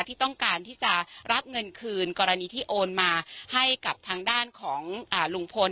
ที่ต้องการที่จะรับเงินคืนกรณีที่โอนมาให้กับทางด้านของลุงพล